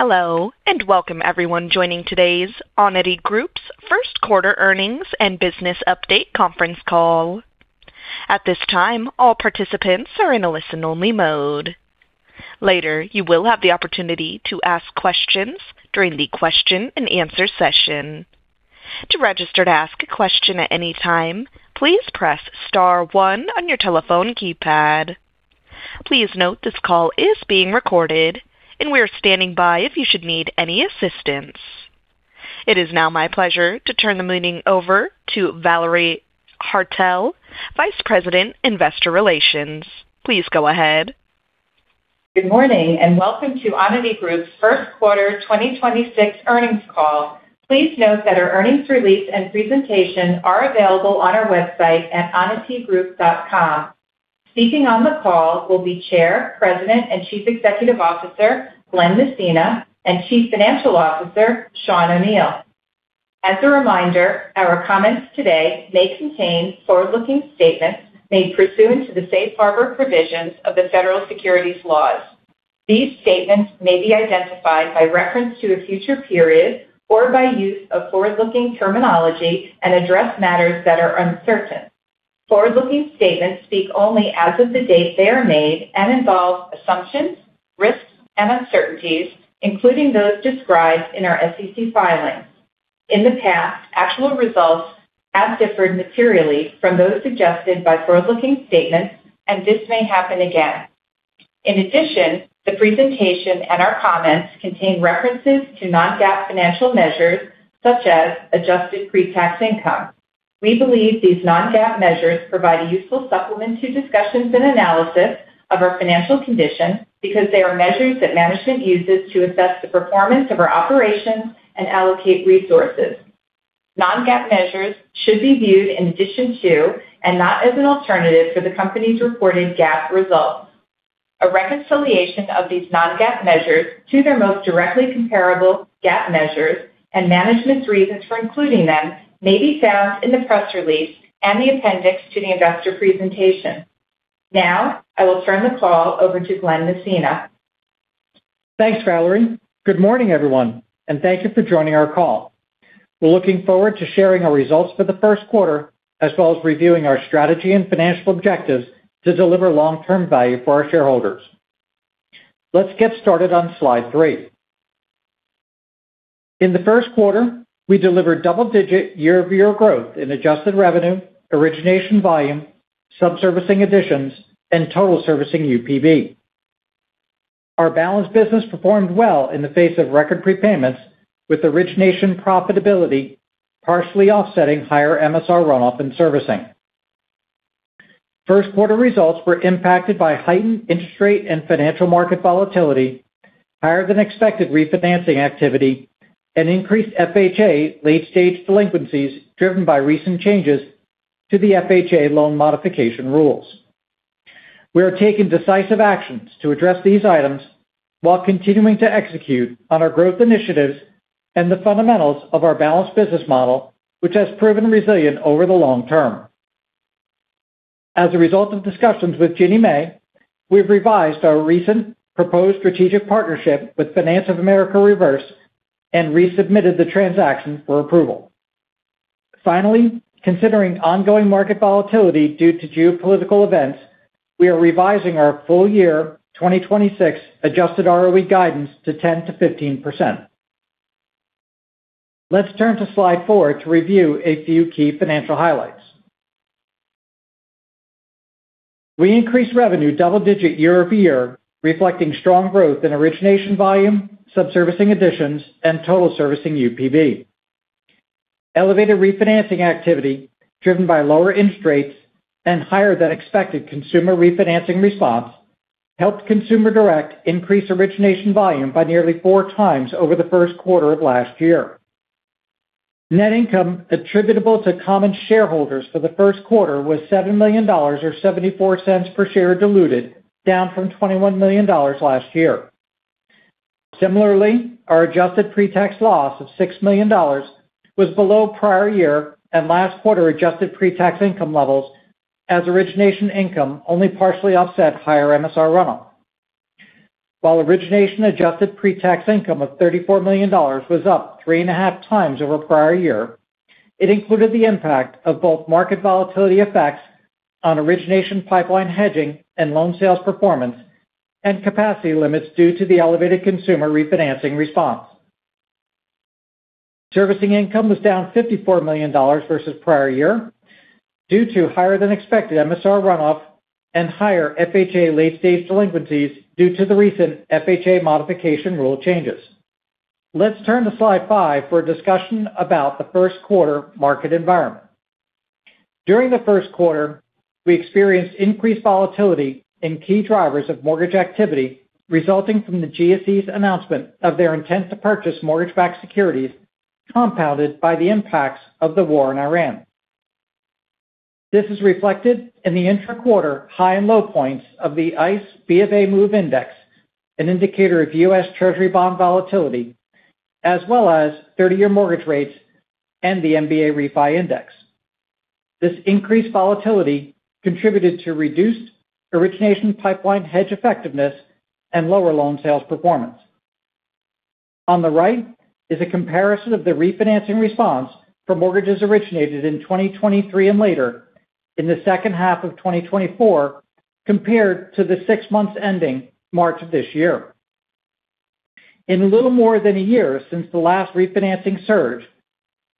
Hello, and welcome everyone joining today's Onity Group's First Quarter Earnings and Business Update Conference Call. At this time, all participants are in a listen-only mode. Later, you will have the opportunity to ask questions during the question and answer session. To register to ask a question at any time, please press star one on your telephone keypad. Please note this call is being recorded, and we are standing by if you should need any assistance. It is now my pleasure to turn the meeting over to Valerie Haertel, Vice President, Investor Relations. Please go ahead. Good morning, welcome to Onity Group's First Quarter 2026 earnings call. Please note that our earnings release and presentation are available on our website at onitygroup.com. Speaking on the call will be Chair, President, and Chief Executive Officer Glen Messina and Chief Financial Officer Sean O'Neil. As a reminder, our comments today may contain forward-looking statements made pursuant to the safe harbor provisions of the federal securities laws. These statements may be identified by reference to a future period or by use of forward-looking terminology and address matters that are uncertain. Forward-looking statements speak only as of the date they are made, involve assumptions, risks, and uncertainties, including those described in our SEC filings. In the past, actual results have differed materially from those suggested by forward-looking statements, this may happen again. In addition, the presentation and our comments contain references to non-GAAP financial measures such as adjusted pre-tax income. We believe these non-GAAP measures provide a useful supplement to discussions and analysis of our financial condition because they are measures that management uses to assess the performance of our operations and allocate resources. Non-GAAP measures should be viewed in addition to and not as an alternative for the company's reported GAAP results. A reconciliation of these non-GAAP measures to their most directly comparable GAAP measures and management's reasons for including them may be found in the press release and the appendix to the investor presentation. Now, I will turn the call over to Glen Messina. Thanks, Valerie. Good morning, everyone, and thank you for joining our call. We're looking forward to sharing our results for the first quarter, as well as reviewing our strategy and financial objectives to deliver long-term value for our shareholders. Let's get started on slide three. In the first quarter, we delivered double-digit year-over-year growth in adjusted revenue, origination volume, subservicing additions, and total servicing UPB. Our balanced business performed well in the face of record prepayments, with origination profitability partially offsetting higher MSR runoff and servicing. First quarter results were impacted by heightened interest rate and financial market volatility, higher than expected refinancing activity, and increased FHA late-stage delinquencies driven by recent changes to the FHA loan modification rules. We are taking decisive actions to address these items while continuing to execute on our growth initiatives and the fundamentals of our balanced business model, which has proven resilient over the long term. As a result of discussions with Ginnie Mae, we've revised our recent proposed strategic partnership with Finance of America Reverse and resubmitted the transaction for approval. Finally, considering ongoing market volatility due to geopolitical events, we are revising our full year 2026 adjusted ROE guidance to 10%-15%. Let's turn to slide four to review a few key financial highlights. We increased revenue double-digit year-over-year, reflecting strong growth in origination volume, subservicing additions, and total servicing UPB. Elevated refinancing activity driven by lower interest rates and higher than expected consumer refinancing response helped consumer direct increase origination volume by nearly 4x over the first quarter of last year. Net income attributable to common shareholders for the first quarter was $7 million or $0.74 per share diluted, down from $21 million last year. Similarly, our adjusted pre-tax loss of $6 million was below prior year and last quarter adjusted pre-tax income levels as origination income only partially offset higher MSR runoff. While origination adjusted pre-tax income of $34 million was up 3.5x over prior year, it included the impact of both market volatility effects on origination pipeline hedging and loan sales performance and capacity limits due to the elevated consumer refinancing response. Servicing income was down $54 million versus prior year due to higher than expected MSR runoff and higher FHA late-stage delinquencies due to the recent FHA modification rule changes. Let's turn to slide five for a discussion about the first quarter market environment. During the 1st quarter, we experienced increased volatility in key drivers of mortgage activity resulting from the GSE's announcement of their intent to purchase mortgage-backed securities, compounded by the impacts of the war in Ukraine. This is reflected in the intra-quarter high and low points of the ICE BofA MOVE Index, an indicator of U.S. Treasury bond volatility, as well as 30-year mortgage rates and the MBA Refinance Index. This increased volatility contributed to reduced origination pipeline hedge effectiveness and lower loan sales performance. On the right is a comparison of the refinancing response for mortgages originated in 2023 and later in the second half of 2024 compared to the six months ending March of this year. In a little more than a year since the last refinancing surge,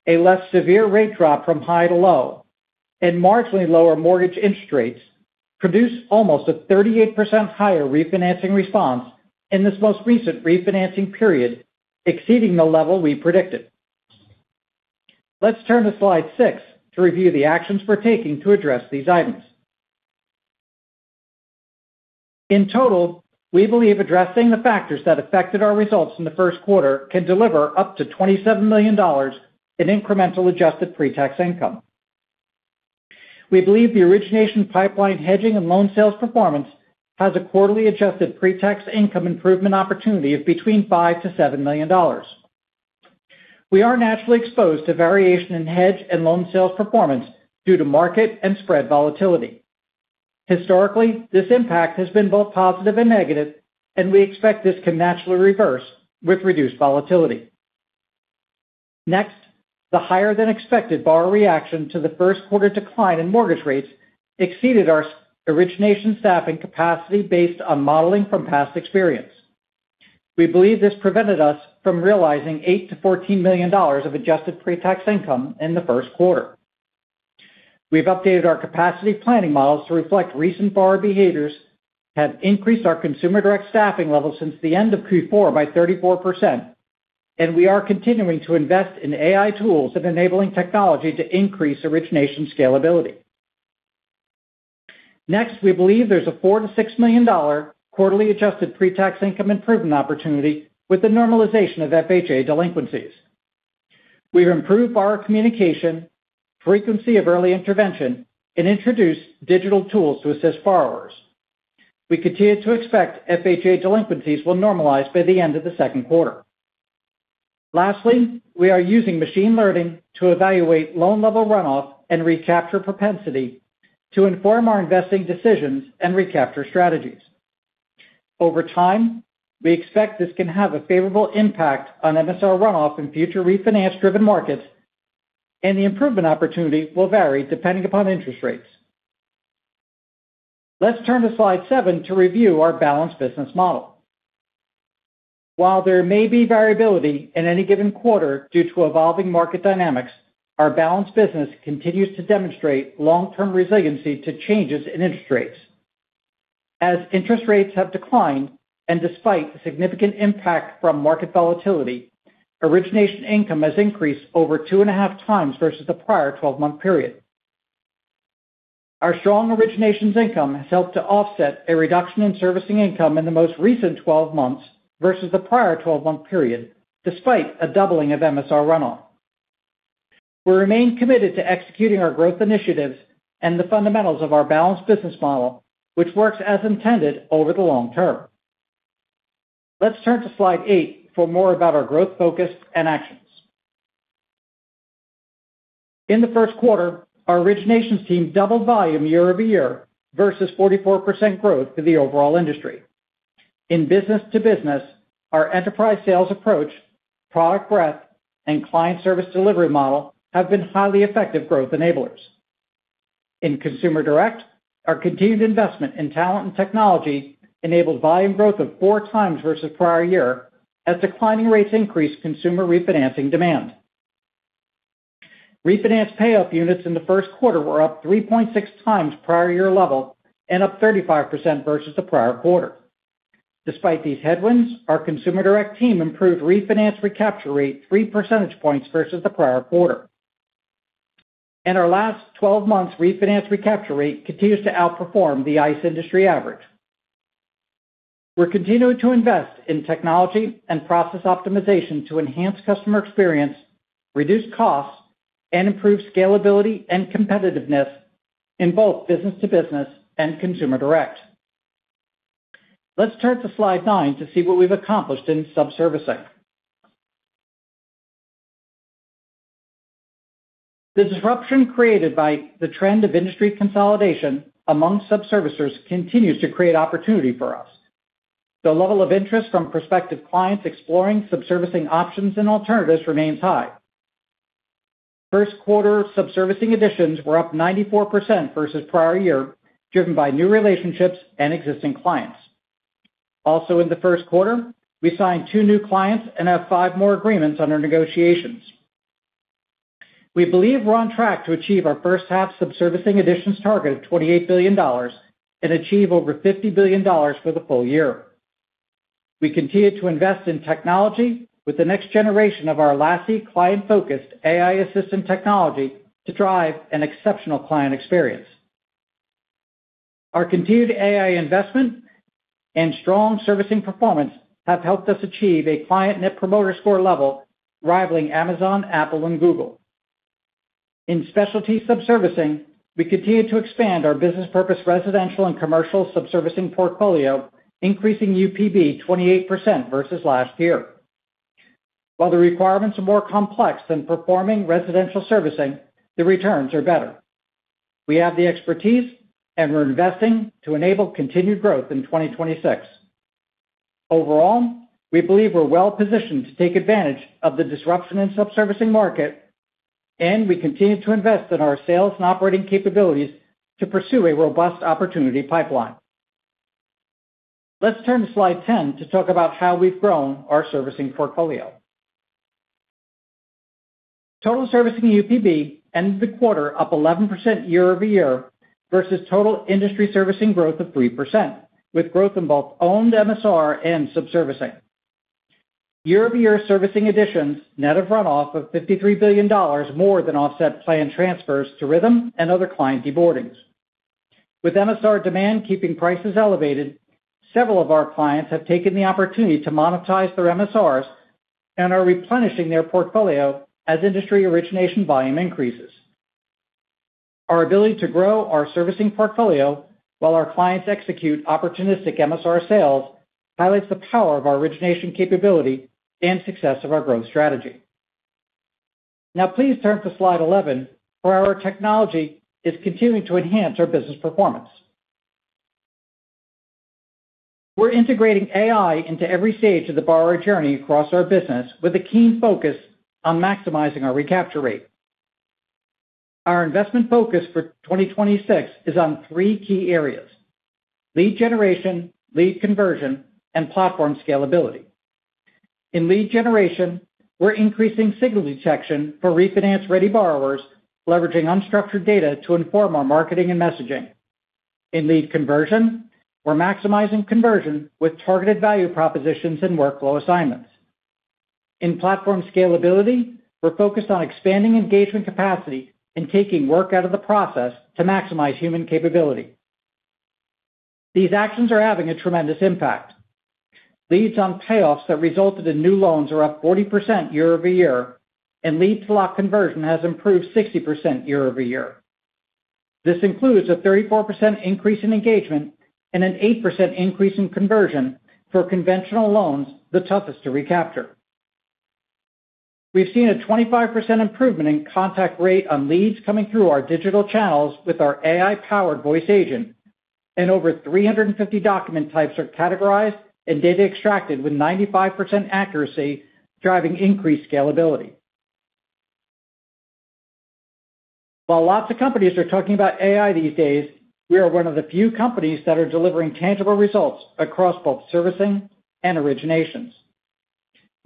a less severe rate drop from high to low and marginally lower mortgage interest rates produced almost a 38% higher refinancing response in this most recent refinancing period, exceeding the level we predicted. Let's turn to slide six to review the actions we're taking to address these items. In total, we believe addressing the factors that affected our results in the first quarter can deliver up to $27 million in incremental adjusted pre-tax income. We believe the origination pipeline hedging and loan sales performance has a quarterly adjusted pre-tax income improvement opportunity of between $5 million to $7 million. We are naturally exposed to variation in hedge and loan sales performance due to market and spread volatility. Historically, this impact has been both positive and negative, and we expect this can naturally reverse with reduced volatility. Next, the higher than expected borrower reaction to the first quarter decline in mortgage rates exceeded our origination staffing capacity based on modeling from past experience. We believe this prevented us from realizing $8 million to $14 million of adjusted pre-tax income in the first quarter. We've updated our capacity planning models to reflect recent borrower behaviors, have increased our consumer direct staffing levels since the end of Q4 by 34%, and we are continuing to invest in AI tools and enabling technology to increase origination scalability. Next, we believe there's a $4 million to $6 million quarterly adjusted pre-tax income improvement opportunity with the normalization of FHA delinquencies. We've improved borrower communication, frequency of early intervention, and introduced digital tools to assist borrowers. We continue to expect FHA delinquencies will normalize by the end of the second quarter. Lastly, we are using machine learning to evaluate loan level runoff and recapture propensity to inform our investing decisions and recapture strategies. Over time, we expect this can have a favorable impact on MSR runoff in future refinance-driven markets, and the improvement opportunity will vary depending upon interest rates. Let's turn to slide seven to review our balanced business model. While there may be variability in any given quarter due to evolving market dynamics, our balanced business continues to demonstrate long-term resiliency to changes in interest rates. As interest rates have declined, and despite significant impact from market volatility, origination income has increased over two and a half times versus the prior 12-month period. Our strong originations income has helped to offset a reduction in servicing income in the most recent 12 months versus the prior 12-month period, despite a doubling of MSR runoff. We remain committed to executing our growth initiatives and the fundamentals of our balanced business model, which works as intended over the long term. Let's turn to slide eight for more about our growth focus and actions. In the first quarter, our originations team doubled volume year-over-year versus 44% growth for the overall industry. In business-to-business, our enterprise sales approach, product breadth, and client service delivery model have been highly effective growth enablers. In consumer direct, our continued investment in talent and technology enabled volume growth of 4x versus prior year as declining rates increased consumer refinancing demand. Refinance payoff units in the first quarter were up 3.6x prior year level and up 35% versus the prior quarter. Despite these headwinds, our consumer direct team improved refinance recapture rate 3 percentage points versus the prior quarter. Our last 12 months refinance recapture rate continues to outperform the ICE industry average. We're continuing to invest in technology and process optimization to enhance customer experience, reduce costs, and improve scalability and competitiveness in both business-to-business and consumer direct. Let's turn to slide nine to see what we've accomplished in subservicing. The disruption created by the trend of industry consolidation among subservicers continues to create opportunity for us. The level of interest from prospective clients exploring subservicing options and alternatives remains high. First quarter subservicing additions were up 94% versus prior year, driven by new relationships and existing clients. Also in the first quarter, we signed two new clients and have five more agreements under negotiations. We believe we're on track to achieve our first half subservicing additions target of $28 billion and achieve over $50 billion for the full year. We continue to invest in technology with the next generation of our LASI client-focused AI assistant technology to drive an exceptional client experience. Our continued AI investment and strong servicing performance have helped us achieve a client Net Promoter Score level rivaling Amazon, Apple, and Google. In specialty subservicing, we continue to expand our business purpose residential and commercial subservicing portfolio, increasing UPB 28% versus last year. While the requirements are more complex than performing residential servicing, the returns are better. We have the expertise, and we're investing to enable continued growth in 2026. Overall, we believe we're well-positioned to take advantage of the disruption in subservicing market, and we continue to invest in our sales and operating capabilities to pursue a robust opportunity pipeline. Let's turn to slide 10 to talk about how we've grown our servicing portfolio. Total servicing UPB ended the quarter up 11% year-over-year versus total industry servicing growth of 3%, with growth in both owned MSR and subservicing. Year-over-year servicing additions, net of run-off of $53 billion more than offset plan transfers to Rithm and other client deboardings. With MSR demand keeping prices elevated, several of our clients have taken the opportunity to monetize their MSRs and are replenishing their portfolio as industry origination volume increases. Our ability to grow our servicing portfolio while our clients execute opportunistic MSR sales highlights the power of our origination capability and success of our growth strategy. Please turn to slide 11, where our technology is continuing to enhance our business performance. We're integrating AI into every stage of the borrower journey across our business with a keen focus on maximizing our recapture rate. Our investment focus for 2026 is on three key areas: lead generation, lead conversion, and platform scalability. In lead generation, we're increasing signal detection for refinance-ready borrowers, leveraging unstructured data to inform our marketing and messaging. In lead conversion, we're maximizing conversion with targeted value propositions and workflow assignments. In platform scalability, we're focused on expanding engagement capacity and taking work out of the process to maximize human capability. These actions are having a tremendous impact. Leads on payoffs that resulted in new loans are up 40% year-over-year, and lead-to-lock conversion has improved 60% year-over-year. This includes a 34% increase in engagement and an 8% increase in conversion for conventional loans, the toughest to recapture. We've seen a 25% improvement in contact rate on leads coming through our digital channels with our AI-powered voice agent, and over 350 document types are categorized and data extracted with 95% accuracy, driving increased scalability. While lots of companies are talking about AI these days, we are one of the few companies that are delivering tangible results across both servicing and originations.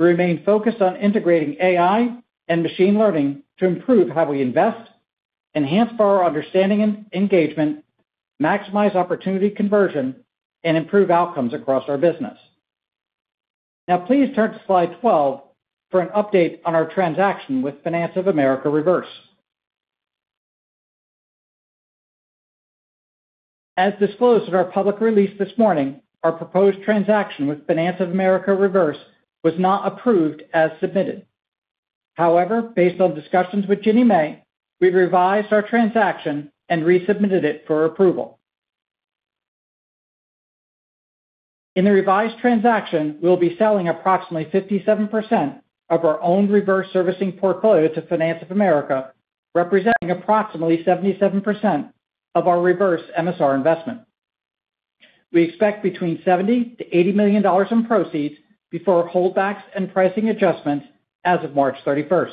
We remain focused on integrating AI and machine learning to improve how we invest, enhance borrower understanding and engagement, maximize opportunity conversion, and improve outcomes across our business. Please turn to slide 12 for an update on our transaction with Finance of America Reverse. As disclosed in our public release this morning, our proposed transaction with Finance of America Reverse was not approved as submitted. Based on discussions with Ginnie Mae, we revised our transaction and resubmitted it for approval. In the revised transaction, we'll be selling approximately 57% of our own reverse servicing portfolio to Finance of America, representing approximately 77% of our reverse MSR investment. We expect between $70 million-$80 million in proceeds before holdbacks and pricing adjustments as of March 31st.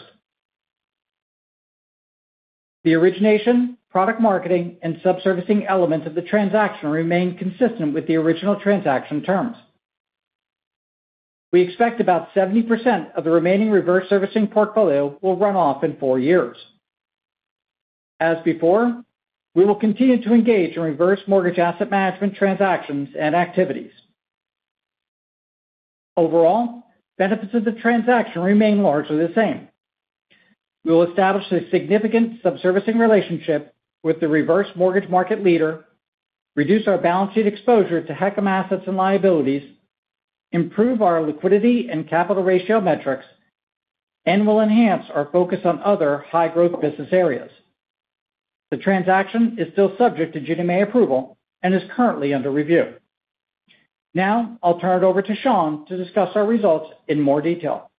The origination, product marketing, and subservicing elements of the transaction remain consistent with the original transaction terms. We expect about 70% of the remaining reverse servicing portfolio will run off in four years. As before, we will continue to engage in reverse mortgage asset management transactions and activities. Overall, benefits of the transaction remain largely the same. We will establish a significant subservicing relationship with the reverse mortgage market leader, reduce our balance sheet exposure to HECM assets and liabilities, improve our liquidity and capital ratio metrics, and will enhance our focus on other high-growth business areas. The transaction is still subject to Ginnie Mae approval and is currently under review. I'll turn it over to Sean to discuss our results in more detail.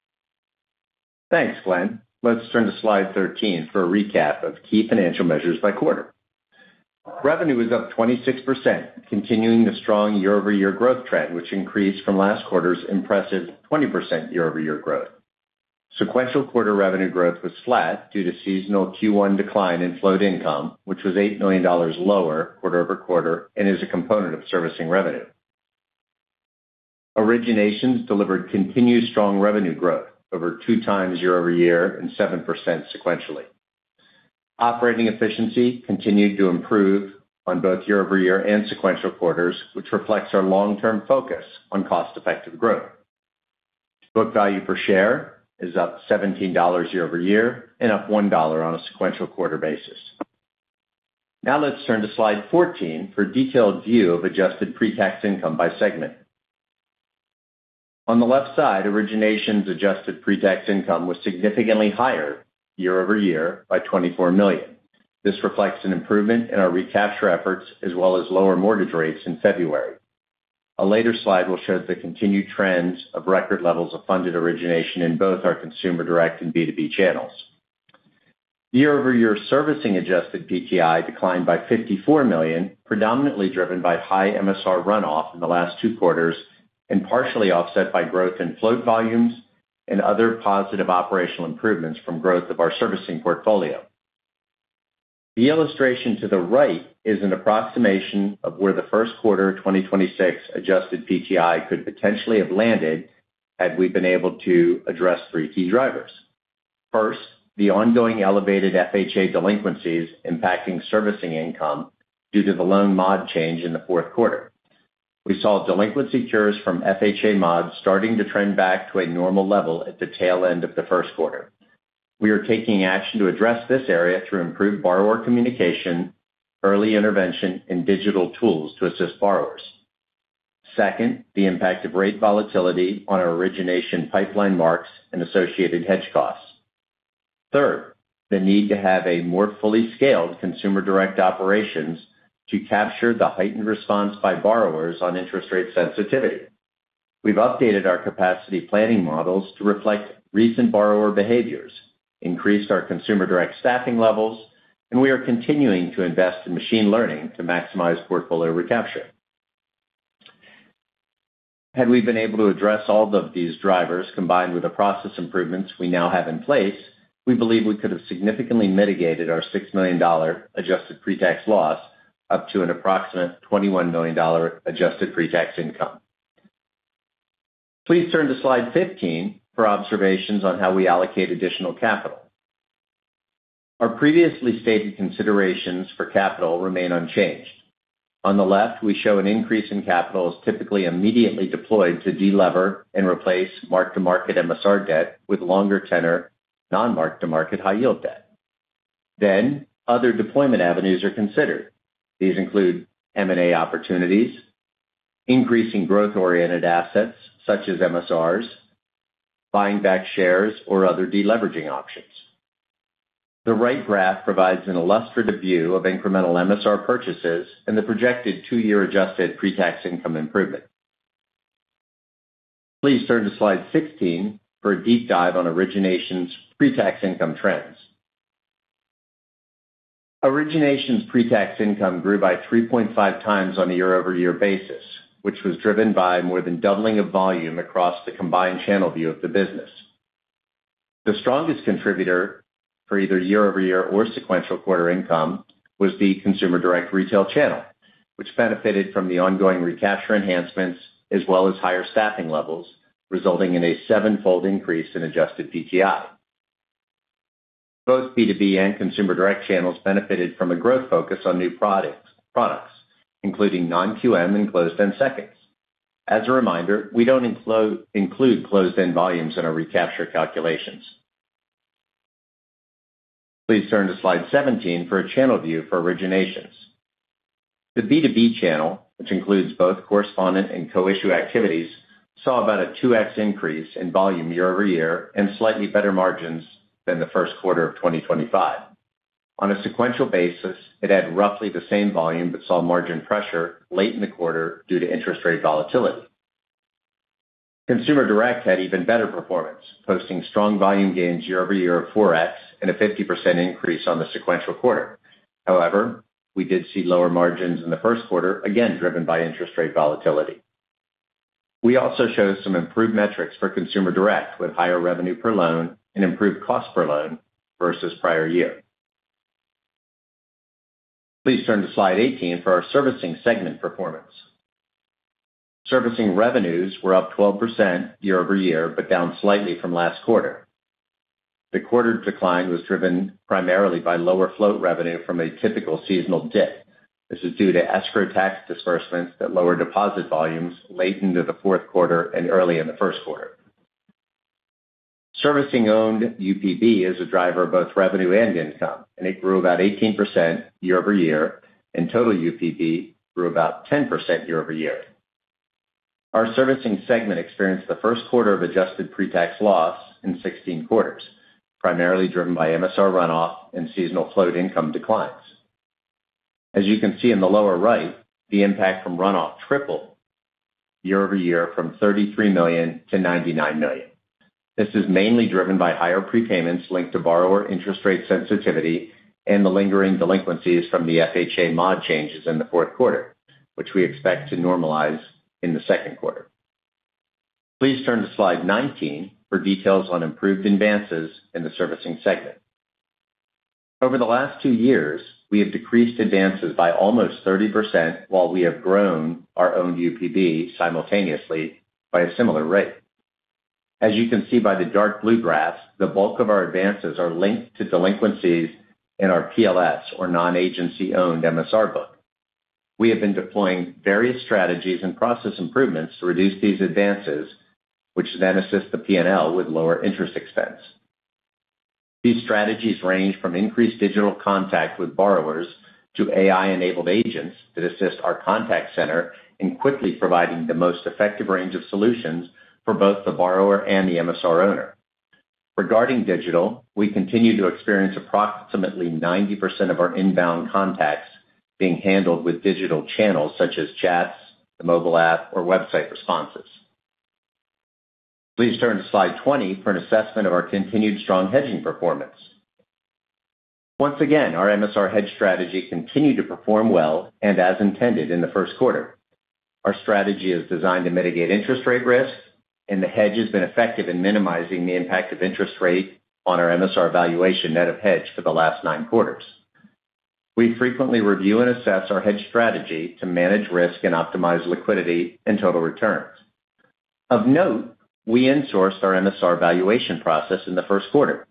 Thanks, Glen. Let's turn to slide 13 for a recap of key financial measures by quarter. Revenue was up 26%, continuing the strong year-over-year growth trend, which increased from last quarter's impressive 20% year-over-year growth. Sequential quarter revenue growth was flat due to seasonal Q1 decline in float income, which was $8 million lower quarter-over-quarter and is a component of servicing revenue. Originations delivered continued strong revenue growth over two times year-over-year and 7% sequentially. Operating efficiency continued to improve on both year-over-year and sequential quarters, which reflects our long-term focus on cost-effective growth. Book value per share is up $17 year-over-year and up $1 on a sequential quarter basis. Now let's turn to slide 14 for a detailed view of adjusted pre-tax income by segment. On the left side, Originations adjusted pre-tax income was significantly higher year-over-year by $24 million. This reflects an improvement in our recapture efforts as well as lower mortgage rates in February. A later slide will show the continued trends of record levels of funded origination in both our consumer direct and B2B channels. Year-over-year servicing adjusted PTI declined by $54 million, predominantly driven by high MSR runoff in the last two quarters and partially offset by growth in float volumes and other positive operational improvements from growth of our servicing portfolio. The illustration to the right is an approximation of where the first quarter 2026 adjusted PTI could potentially have landed had we been able to address three key drivers. First, the ongoing elevated FHA delinquencies impacting servicing income due to the loan mod change in the fourth quarter. We saw delinquency cures from FHA mods starting to trend back to a normal level at the tail end of the first quarter. We are taking action to address this area through improved borrower communication, early intervention and digital tools to assist borrowers. Second, the impact of rate volatility on our origination pipeline marks and associated hedge costs. Third, the need to have a more fully scaled consumer direct operations to capture the heightened response by borrowers on interest rate sensitivity. We've updated our capacity planning models to reflect recent borrower behaviors, increased our consumer direct staffing levels, and we are continuing to invest in machine learning to maximize portfolio recapture. Had we been able to address all of these drivers combined with the process improvements we now have in place, we believe we could have significantly mitigated our $6 million adjusted pre-tax loss up to an approximate $21 million adjusted pre-tax income. Please turn to slide 15 for observations on how we allocate additional capital. Our previously stated considerations for capital remain unchanged. On the left, we show an increase in capital is typically immediately deployed to delever and replace mark-to-market MSR debt with longer tenor non-mark-to-market high yield debt. Then other deployment avenues are considered. These include M&A opportunities, increasing growth-oriented assets such as MSRs, buying back shares or other deleveraging options. The right graph provides an illustrative view of incremental MSR purchases and the projected two-year adjusted pre-tax income improvement. Please turn to slide 16 for a deep dive on origination's pre-tax income trends. Origination's pre-tax income grew by 3.5x on a year-over-year basis, which was driven by more than doubling of volume across the combined channel view of the business. The strongest contributor for either year-over-year or sequential quarter income was the consumer direct retail channel, which benefited from the ongoing recapture enhancements as well as higher staffing levels, resulting in a seven-fold increase in adjusted PTI. Both B2B and consumer direct channels benefited from a growth focus on new products including non-QM and closed-end seconds. As a reminder, we don't include closed-end volumes in our recapture calculations. Please turn to slide 17 for a channel view for originations. The B2B channel, which includes both correspondent and co-issue activities, saw about a 2x increase in volume year-over-year and slightly better margins than the first quarter of 2025. On a sequential basis, it had roughly the same volume but saw margin pressure late in the quarter due to interest rate volatility. Consumer direct had even better performance, posting strong volume gains year-over-year of 4x and a 50% increase on the sequential quarter. We did see lower margins in the first quarter, again, driven by interest rate volatility. We also show some improved metrics for consumer direct with higher revenue per loan and improved cost per loan versus prior year. Please turn to slide 18 for our servicing segment performance. Servicing revenues were up 12% year-over-year, but down slightly from last quarter. The quarter decline was driven primarily by lower float revenue from a typical seasonal dip. This is due to escrow tax disbursements that lower deposit volumes late into the fourth quarter and early in the first quarter. Servicing owned UPB is a driver of both revenue and income, and it grew about 18% year over year, and total UPB grew about 10% year over year. Our servicing segment experienced the first quarter of adjusted pre-tax loss in 16 quarters, primarily driven by MSR runoff and seasonal float income declines. As you can see in the lower right, the impact from runoff tripled year over year from $33 million to $99 million. This is mainly driven by higher prepayments linked to borrower interest rate sensitivity and the lingering delinquencies from the FHA mod changes in the fourth quarter, which we expect to normalize in the second quarter. Please turn to slide 19 for details on improved advances in the servicing segment. Over the last two years, we have decreased advances by almost 30% while we have grown our own UPB simultaneously by a similar rate. As you can see by the dark blue graphs, the bulk of our advances are linked to delinquencies in our PLS or non-agency owned MSR book. We have been deploying various strategies and process improvements to reduce these advances, which then assist the P&L with lower interest expense. These strategies range from increased digital contact with borrowers to AI-enabled agents that assist our contact center in quickly providing the most effective range of solutions for both the borrower and the MSR owner. Regarding digital, we continue to experience approximately 90% of our inbound contacts being handled with digital channels such as chats, the mobile app, or website responses. Please turn to slide 20 for an assessment of our continued strong hedging performance. Once again, our MSR hedge strategy continued to perform well and as intended in the first quarter. Our strategy is designed to mitigate interest rate risks, and the hedge has been effective in minimizing the impact of interest rate on our MSR valuation net of hedge for the last nine quarters. We frequently review and assess our hedge strategy to manage risk and optimize liquidity and total returns. Of note, we insourced our MSR valuation process in the first quarter.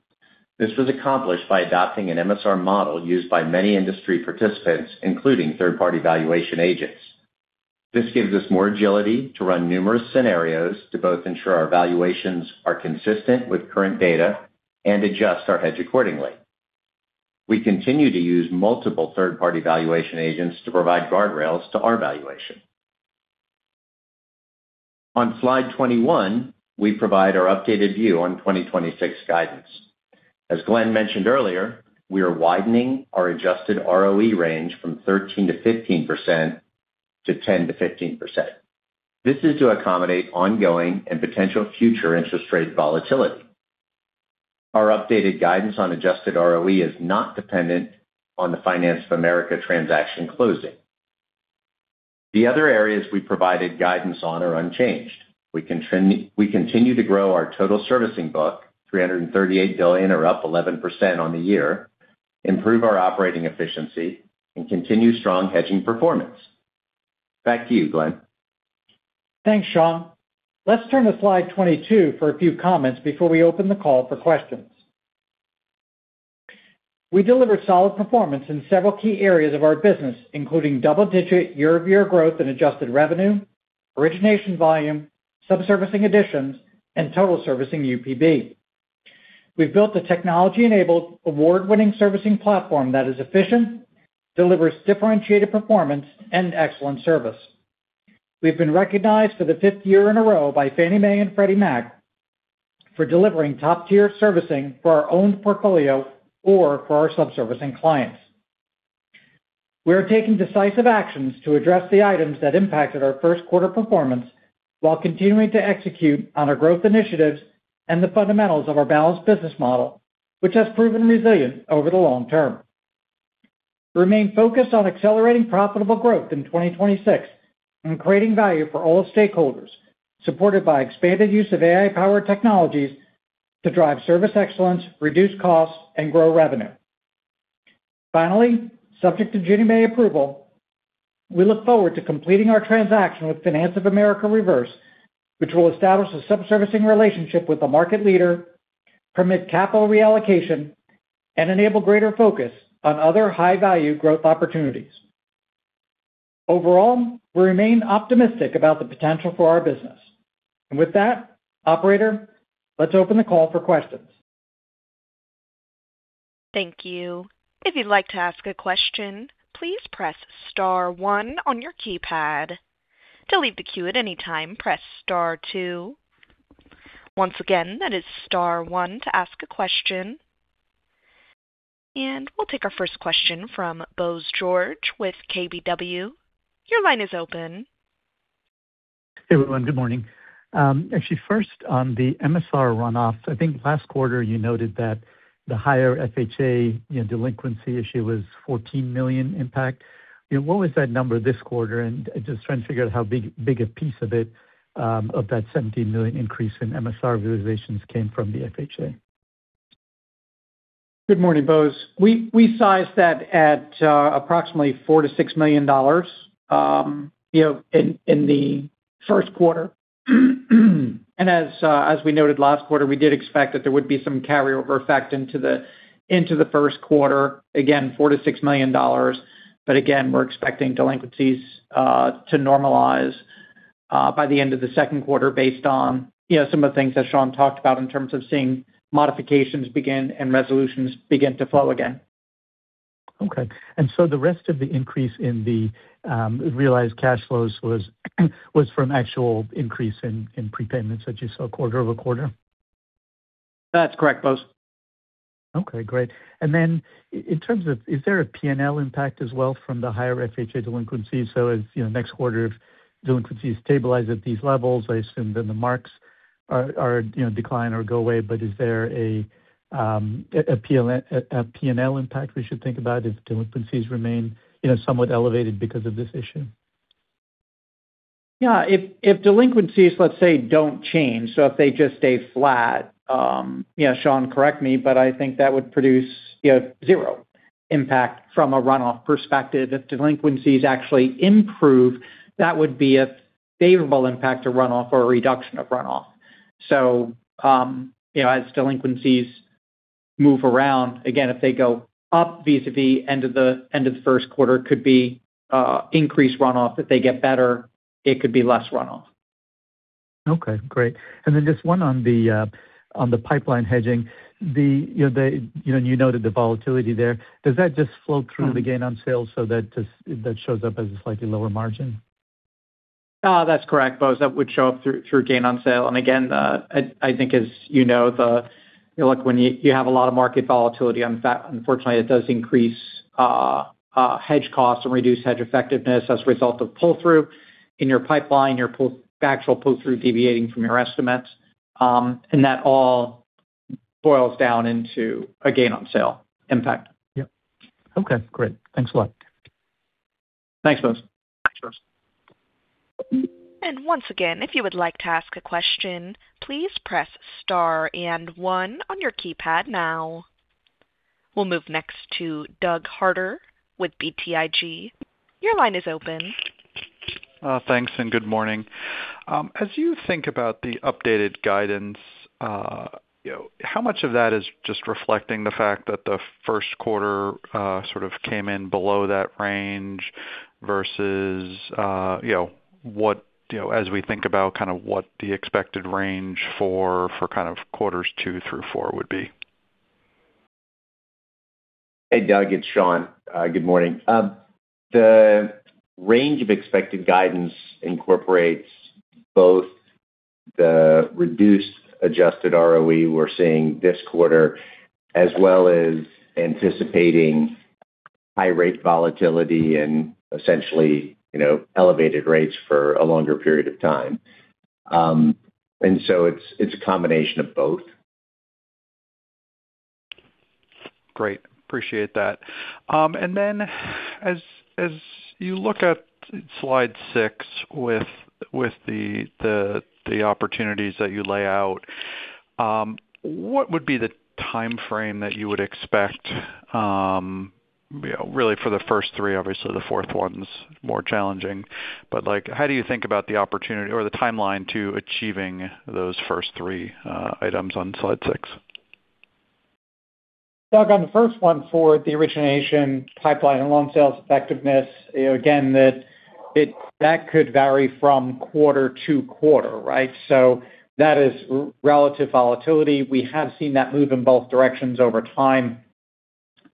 This was accomplished by adopting an MSR model used by many industry participants, including third-party valuation agents. This gives us more agility to run numerous scenarios to both ensure our valuations are consistent with current data and adjust our hedge accordingly. We continue to use multiple third party valuation agents to provide guardrails to our valuation. On slide 21, we provide our updated view on 2026 guidance. As Glen mentioned earlier, we are widening our adjusted ROE range from 13%-15% to 10%-15%. This is to accommodate ongoing and potential future interest rate volatility. Our updated guidance on adjusted ROE is not dependent on the Finance of America transaction closing. The other areas we provided guidance on are unchanged. We continue to grow our total servicing book, $338 billion or up 11% on the year, improve our operating efficiency and continue strong hedging performance. Back to you, Glen. Thanks, Sean. Let's turn to slide 22 for a few comments before we open the call for questions. We delivered solid performance in several key areas of our business, including double-digit year-over-year growth and adjusted revenue, origination volume, subservicing additions, and total servicing UPB. We've built a technology-enabled award-winning servicing platform that is efficient, delivers differentiated performance and excellent service. We've been recognized for the fifth year in a row by Fannie Mae and Freddie Mac for delivering top-tier servicing for our own portfolio or for our subservicing clients. We are taking decisive actions to address the items that impacted our first quarter performance while continuing to execute on our growth initiatives and the fundamentals of our balanced business model, which has proven resilient over the long term. We remain focused on accelerating profitable growth in 2026 and creating value for all stakeholders, supported by expanded use of AI-powered technologies to drive service excellence, reduce costs and grow revenue. Finally, subject to Ginnie Mae approval, we look forward to completing our transaction with Finance of America Reverse, which will establish a subservicing relationship with the market leader, permit capital reallocation, and enable greater focus on other high-value growth opportunities. Overall, we remain optimistic about the potential for our business. With that, operator, let's open the call for questions. Thank you. We'll take our first question from Bose George with KBW. Your line is open. Hey, everyone. Good morning, actually first on the MSR runoff, I think last quarter you noted that the higher FHA, you know, delinquency issue was $14 million impact. You know, what was that number this quarter? Just trying to figure out how big a piece of it of that $17 million increase in MSR realizations came from the FHA. Good morning, Bose. We sized that at approximately $4 million to $6 million, you know, in the first quarter. As we noted last quarter, we did expect that there would be some carryover effect into the first quarter. Again, $4 million to $6 million. Again, we're expecting delinquencies to normalize by the end of the second quarter based on, you know, some of the things that Sean talked about in terms of seeing modifications begin and resolutions begin to flow again. Okay. The rest of the increase in the realized cash flows was from actual increase in prepayments that you saw quarter-over-quarter? That's correct, Bose. Okay, great. In terms of, is there a P&L impact as well from the higher FHA delinquencies? As you know, next quarter, if delinquencies stabilize at these levels, I assume the marks are, you know, decline or go away. Is there a P&L impact we should think about if delinquencies remain, you know, somewhat elevated because of this issue? Yeah, if delinquencies, let's say, don't change. If they just stay flat, you know, Sean, correct me. I think that would produce, you know, zero impact from a runoff perspective. If delinquencies actually improve, that would be a favorable impact to runoff or a reduction of runoff. You know, as delinquencies move around, again, if they go up vis-à-vis end of the first quarter, could be increased runoff. If they get better, it could be less runoff. Okay, great. Then just one on the on the pipeline hedging. You know, you noted the volatility there. Does that just flow through the gain on sales so that shows up as a slightly lower margin? No, that's correct, Bose. That would show up through gain on sale. Again, I think as you know, you know, like when you have a lot of market volatility unfortunately it does increase hedge costs and reduce hedge effectiveness as a result of pull-through in your pipeline, your actual pull-through deviating from your estimates. That all boils down into a gain on sale impact. Yeah. Okay, great. Thanks a lot. Thanks, Bose. Thanks, guys. Once again, if you would like to ask a question, please press star and one on your keypad now. We'll move next to Doug Harter with BTIG. Your line is open. Thanks, and good morning. As you think about the updated guidance, you know, how much of that is just reflecting the fact that the first quarter sort of came in below that range versus, you know, what, you know, as we think about what the expected range for quarters two through four would be? Hey, Doug, it's Sean. Good morning. The range of expected guidance incorporates both the reduced adjusted ROE we're seeing this quarter, as well as anticipating high rate volatility and essentially, you know, elevated rates for a longer period of time. It's a combination of both. Great. Appreciate that. Then as you look at slide six with the, the opportunities that you lay out, what would be the timeframe that you would expect, you know, really for the first three? Obviously, the fourth one's more challenging. Like how do you think about the opportunity or the timeline to achieving those first three items on slide six? Doug, on the first one for the origination pipeline and loan sales effectiveness, you know, again, that could vary from quarter to quarter, right? That is relative volatility. We have seen that move in both directions over time.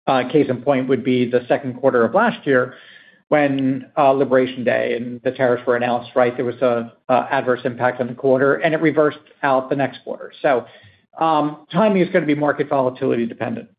Case in point would be the second quarter of last year when Liberation Day and the tariffs were announced, right? There was a adverse impact on the quarter, and it reversed out the next quarter. Timing is gonna be market volatility dependent.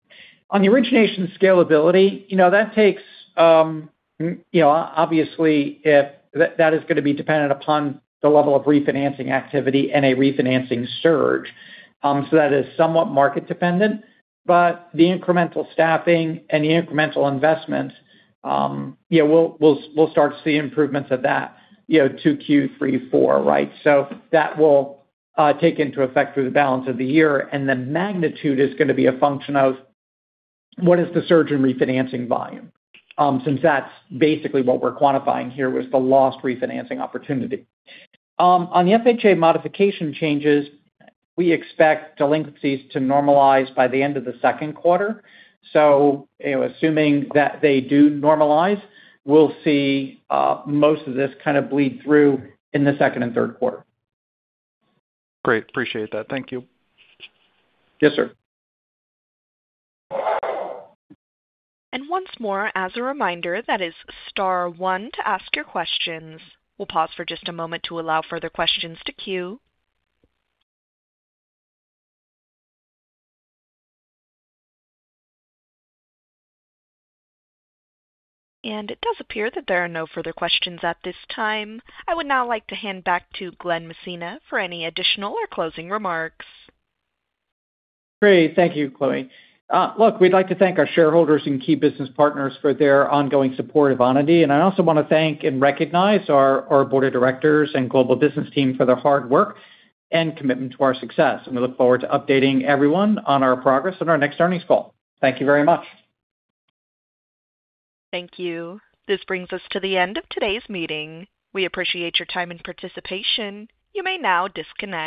On the origination scalability, you know, that takes, you know, obviously if that is gonna be dependent upon the level of refinancing activity and a refinancing surge. That is somewhat market dependent. The incremental staffing and the incremental investments, yeah, we'll start to see improvements of that, you know, 2Q, 3, 4, right? That will take into effect through the balance of the year, and the magnitude is gonna be a function of what is the surge in refinancing volume, since that's basically what we're quantifying here, was the lost refinancing opportunity. On the FHA modification changes, we expect delinquencies to normalize by the end of the second quarter. You know, assuming that they do normalize, we'll see most of this kind of bleed through in the second and third quarter. Great. Appreciate that. Thank you. Yes, sir. Once more as a reminder, that is star one to ask your questions. We'll pause for just a moment to allow further questions to queue. It does appear that there are no further questions at this time. I would now like to hand back to Glen Messina for any additional or closing remarks. Great. Thank you, Chloe. Look, we'd like to thank our shareholders and key business partners for their ongoing support of Onity. I also wanna thank and recognize our board of directors and global business team for their hard work and commitment to our success. We look forward to updating everyone on our progress on our next earnings call. Thank you very much. Thank you. This brings us to the end of today's meeting. We appreciate your time and participation. You may now disconnect.